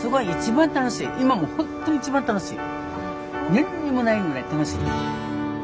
何にもないぐらい楽しい。